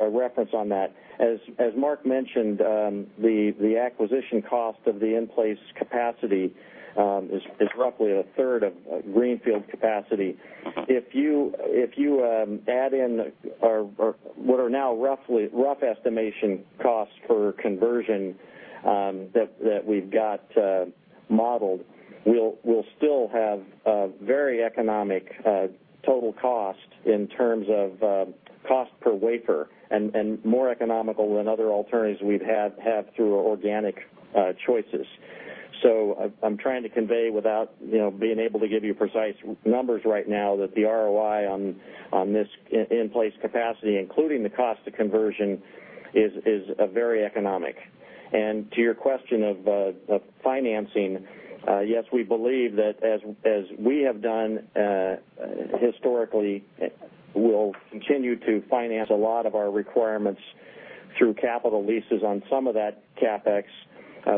[SPEAKER 5] a reference on that. As Mark mentioned, the acquisition cost of the in-place capacity is roughly a third of greenfield capacity. If you add in what are now rough estimation costs for conversion that we've got modeled, we'll still have a very economic total cost in terms of cost per wafer and more economical than other alternatives we'd have through organic choices. I'm trying to convey without being able to give you precise numbers right now that the ROI on this in-place capacity, including the cost of conversion, is very economic. To your question of financing, yes, we believe that as we have done historically, we'll continue to finance a lot of our requirements through capital leases on some of that CapEx.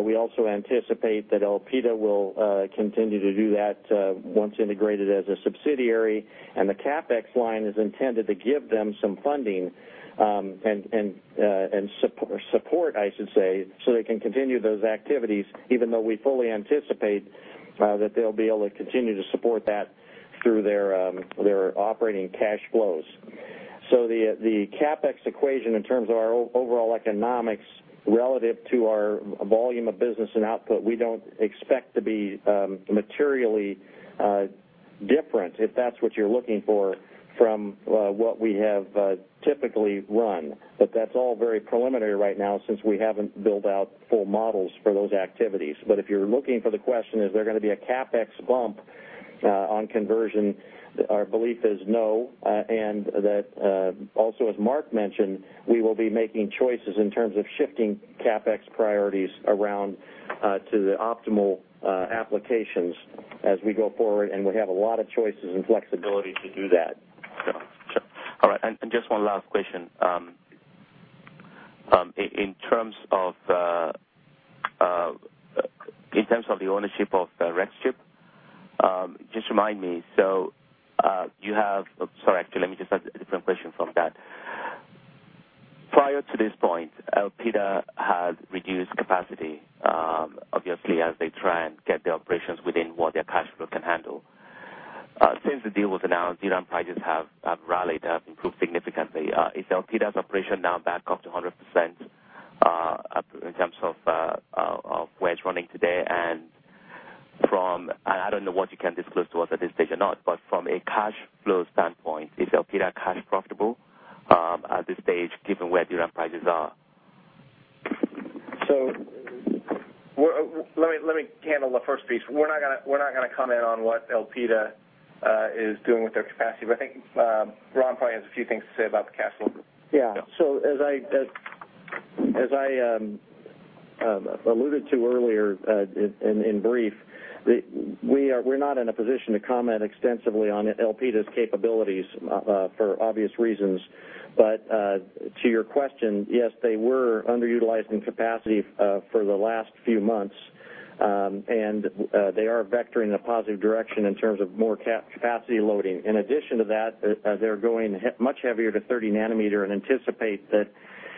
[SPEAKER 5] We also anticipate that Elpida will continue to do that once integrated as a subsidiary, the CapEx line is intended to give them some funding, support, I should say, so they can continue those activities, even though we fully anticipate that they'll be able to continue to support that through their operating cash flows. The CapEx equation in terms of our overall economics relative to our volume of business and output, we don't expect to be materially different, if that's what you're looking for from what we have typically run. That's all very preliminary right now since we haven't built out full models for those activities. If you're looking for the question, is there going to be a CapEx bump on conversion? Our belief is no, that also, as Mark mentioned, we will be making choices in terms of shifting CapEx priorities around to the optimal applications as we go forward, we have a lot of choices and flexibility to do that.
[SPEAKER 12] Sure. All right. Just one last question. In terms of the ownership of Rexchip, just remind me. Sorry, actually, let me just ask a different question from that. Prior to this point, Elpida had reduced capacity, obviously, as they try and get the operations within what their cash flow can handle. Since the deal was announced, DRAM prices have rallied, have improved significantly. Is Elpida's operation now back up to 100% in terms of wedge running today? I don't know what you can disclose to us at this stage or not, but from a cash flow standpoint, is Elpida cash profitable at this stage given where DRAM prices are?
[SPEAKER 3] Let me handle the first piece. We're not going to comment on what Elpida is doing with their capacity, but I think Ron probably has a few things to say about the cash flow. Yeah. As I alluded to earlier in brief, we're not in a position to comment extensively on Elpida's capabilities for obvious reasons. To your question, yes, they were underutilizing capacity for the last few months, and they are vectoring in a positive direction in terms of more capacity loading. In addition to that, they're going much heavier to 30 nm and anticipate that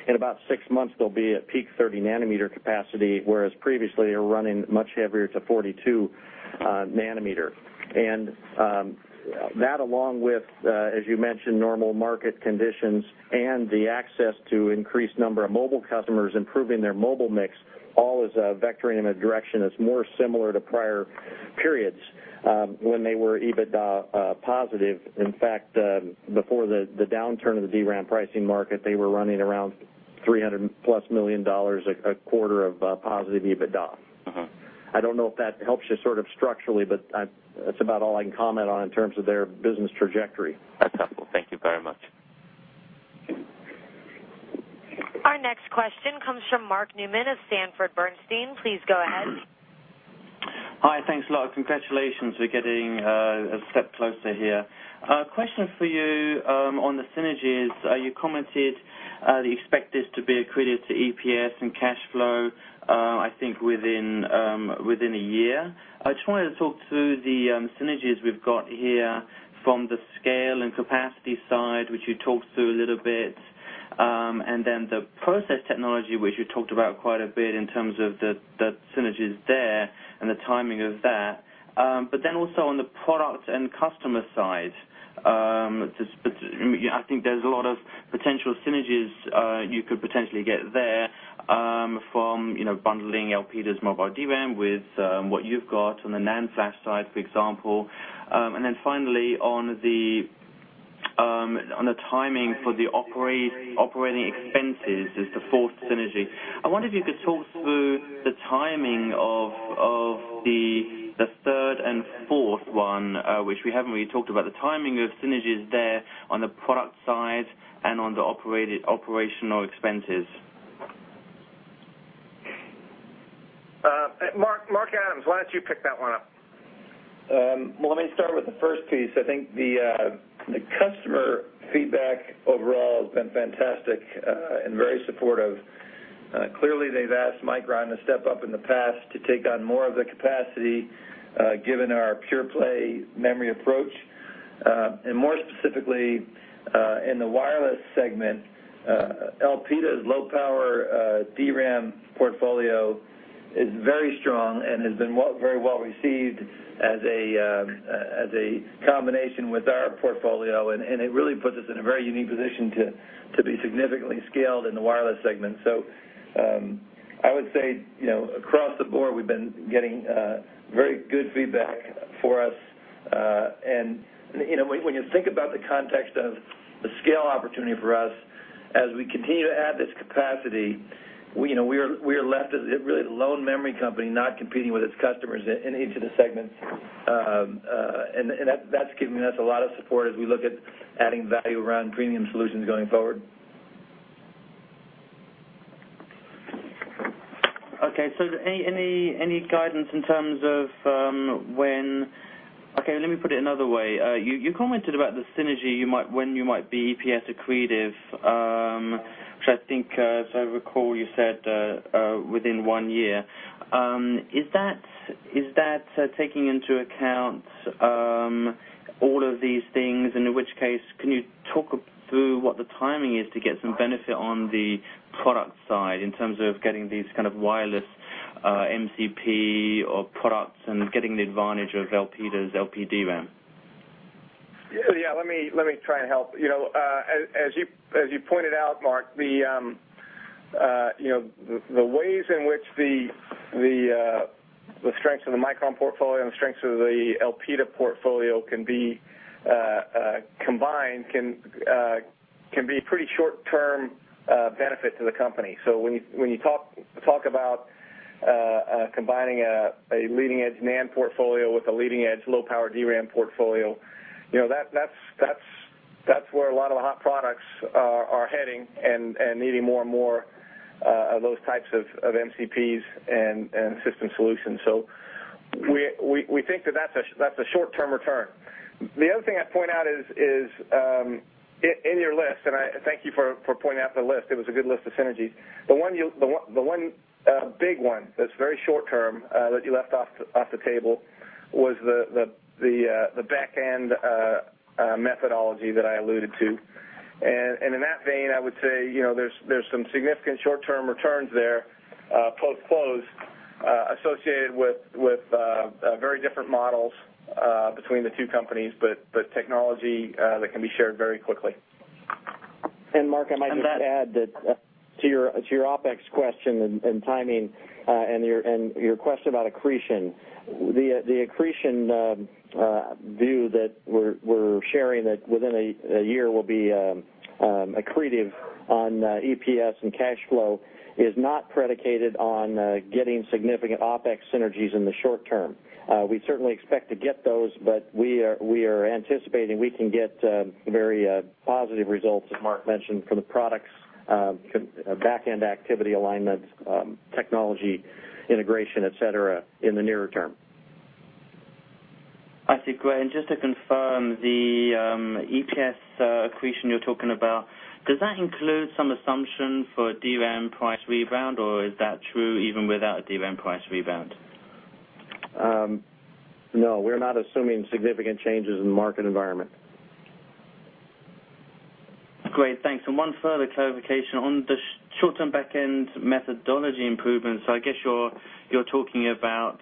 [SPEAKER 3] in about six months, they'll be at peak 30-nanometer capacity, whereas previously, they were running much heavier to 42 nm.
[SPEAKER 5] That along with, as you mentioned, normal market conditions and the access to increased number of mobile customers improving their mobile mix, all is vectoring in a direction that's more similar to prior periods when they were EBITDA positive. In fact, before the downturn of the DRAM pricing market, they were running around $300-plus million a quarter of positive EBITDA. I don't know if that helps you sort of structurally, that's about all I can comment on in terms of their business trajectory.
[SPEAKER 12] That's helpful. Thank you very much.
[SPEAKER 1] Our next question comes from Mark Newman of Sanford Bernstein. Please go ahead.
[SPEAKER 13] Hi. Thanks a lot. Congratulations. We're getting a step closer here. A question for you on the synergies. You commented that you expect this to be accretive to EPS and cash flow, I think within a year. I just wanted to talk through the synergies we've got here from the scale and capacity side, which you talked through a little bit, and then the process technology, which you talked about quite a bit in terms of the synergies there and the timing of that. Also on the product and customer side. I think there's a lot of potential synergies you could potentially get there from bundling Elpida's Mobile DRAM with what you've got on the NAND flash side, for example. Finally, on the timing for the operating expenses as the fourth synergy. I wonder if you could talk through the timing of the third and fourth one, which we haven't really talked about. The timing of synergies there on the product side and on the operational expenses.
[SPEAKER 3] Mark Adams, why don't you pick that one up?
[SPEAKER 14] Well, let me start with the first piece. I think the customer feedback overall has been fantastic and very supportive. Clearly, they've asked Micron to step up in the past to take on more of the capacity given our pure play memory approach. More specifically, in the wireless segment, Elpida's low-power DRAM portfolio is very strong and has been very well received as a combination with our portfolio. It really puts us in a very unique position to be significantly scaled in the wireless segment. I would say, across the board, we've been getting very good feedback for us. When you think about the context of the scale opportunity for us as we continue to add this capacity, we are left as really the lone memory company not competing with its customers in each of the segments.
[SPEAKER 5] That's giving us a lot of support as we look at adding value around premium solutions going forward.
[SPEAKER 13] Okay. Any guidance in terms of Okay, let me put it another way. You commented about the synergy when you might be EPS accretive, which I think, as I recall, you said within one year. Is that taking into account all of these things? In which case, can you talk through what the timing is to get some benefit on the product side in terms of getting these kind of wireless MCP or products and getting the advantage of Elpida's LP DRAM?
[SPEAKER 3] Let me try and help. As you pointed out, Mark, the ways in which the strengths of the Micron portfolio and the strengths of the Elpida portfolio can be combined can be pretty short-term benefit to the company. When you talk about combining a leading-edge NAND portfolio with a leading-edge low-power DRAM portfolio, that's where a lot of the hot products are heading and needing more and more of those types of MCPs and system solutions. We think that's a short-term return. The other thing I'd point out is in your list, and I thank you for pointing out the list, it was a good list of synergies. The one big one that's very short-term that you left off the table was the back-end methodology that I alluded to. In that vein, I would say, there's some significant short-term returns there post-close, associated with very different models between the two companies, but technology that can be shared very quickly.
[SPEAKER 5] Mark, I might just add that to your OpEx question and timing and your question about accretion. The accretion view that we're sharing that within a year will be accretive on EPS and cash flow is not predicated on getting significant OpEx synergies in the short term. We certainly expect to get those, but we are anticipating we can get very positive results, as Mark mentioned, from the products, back-end activity alignment, technology integration, et cetera, in the nearer term.
[SPEAKER 13] I see. Great. Just to confirm, the EPS accretion you're talking about, does that include some assumption for DRAM price rebound, or is that true even without a DRAM price rebound?
[SPEAKER 5] No, we're not assuming significant changes in the market environment.
[SPEAKER 13] Great. Thanks. One further clarification on the short-term back-end methodology improvements. I guess you're talking about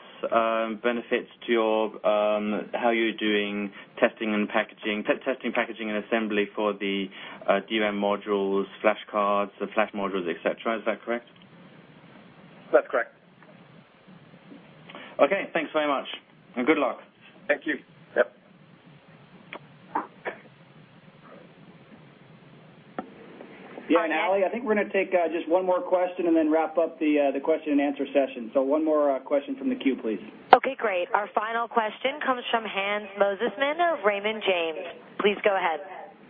[SPEAKER 13] benefits to how you're doing testing, packaging, and assembly for the DRAM modules, flash cards, the flash modules, et cetera. Is that correct?
[SPEAKER 3] That's correct.
[SPEAKER 13] Okay, thanks very much, and good luck.
[SPEAKER 3] Thank you. Yep. Yeah, Allie, I think we're going to take just one more question and then wrap up the question and answer session. One more question from the queue, please.
[SPEAKER 1] Okay, great. Our final question comes from Hans Mosesmann of Raymond James. Please go ahead.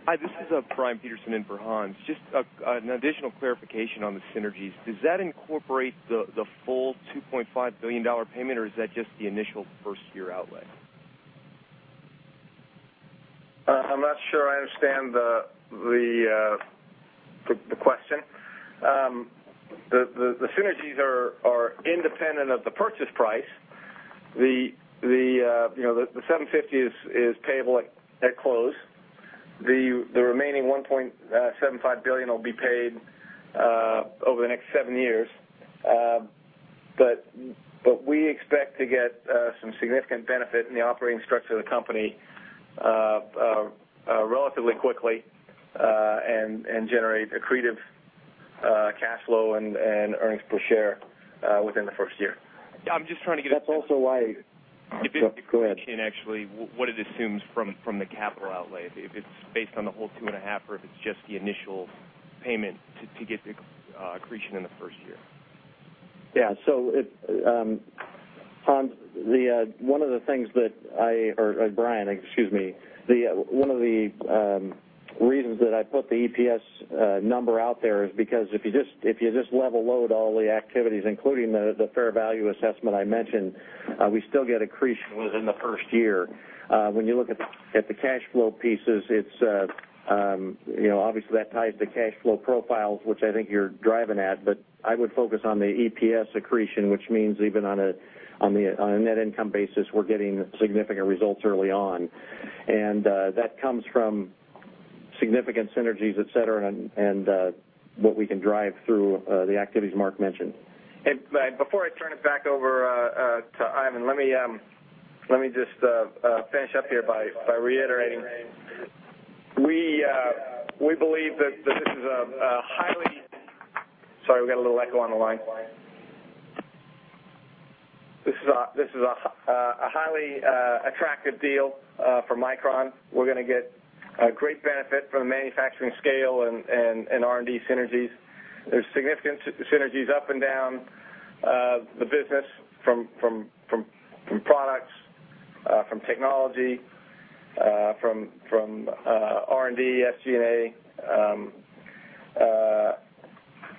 [SPEAKER 15] Hi, this is Brian Peterson in for Hans. Just an additional clarification on the synergies. Does that incorporate the full $2.5 billion payment, or is that just the initial first-year outlay?
[SPEAKER 3] I'm not sure I understand the question. The synergies are independent of the purchase price. The $750 is payable at close. The remaining $1.75 billion will be paid over the next seven years. We expect to get some significant benefit in the operating structure of the company relatively quickly and generate accretive
[SPEAKER 5] Cash flow and earnings per share within the first year. I'm just trying to get. That's also why. Go ahead.
[SPEAKER 15] Actually, what it assumes from the capital outlay? If it's based on the whole 2.5, or if it's just the initial payment to get the accretion in the first year.
[SPEAKER 5] Brian, one of the reasons that I put the EPS number out there is because if you just level load all the activities, including the fair value assessment I mentioned, we still get accretion within the first year. When you look at the cash flow pieces, obviously that ties the cash flow profile, which I think you're driving at, but I would focus on the EPS accretion, which means even on a net income basis, we're getting significant results early on. That comes from significant synergies, et cetera, and what we can drive through the activities Mark mentioned.
[SPEAKER 3] Before I turn it back over to Ivan, let me just finish up here by reiterating. We believe that this is a highly Sorry, we got a little echo on the line. This is a highly attractive deal for Micron. We're going to get a great benefit from the manufacturing scale and R&D synergies. There's significant synergies up and down the business from products, from technology, from R&D, SG&A.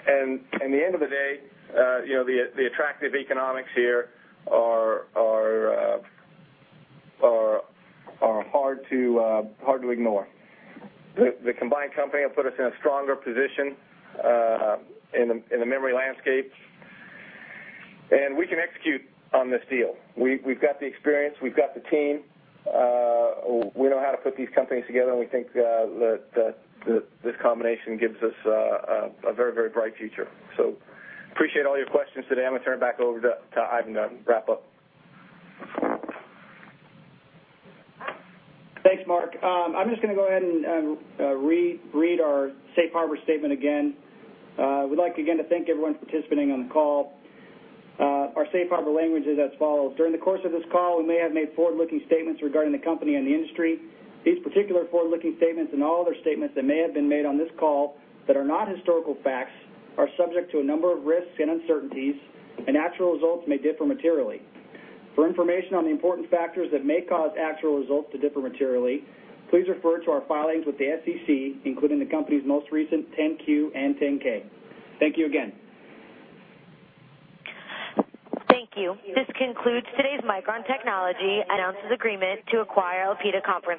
[SPEAKER 3] At the end of the day the attractive economics here are hard to ignore. The combined company will put us in a stronger position in the memory landscape. We can execute on this deal. We've got the experience, we've got the team. We know how to put these companies together, and we think that this combination gives us a very bright future. Appreciate all your questions today. I'm going to turn it back over to Ivan to wrap up.
[SPEAKER 2] Thanks, Mark. I'm just going to go ahead and read our safe harbor statement again. We'd like, again, to thank everyone participating on the call. Our safe harbor language is as follows. During the course of this call, we may have made forward-looking statements regarding the company and the industry. These particular forward-looking statements and all other statements that may have been made on this call that are not historical facts are subject to a number of risks and uncertainties, and actual results may differ materially. For information on the important factors that may cause actual results to differ materially, please refer to our filings with the SEC, including the company's most recent 10-Q and 10-K. Thank you again.
[SPEAKER 1] Thank you. This concludes today's Micron Technology Announces Agreement to Acquire Elpida conference call.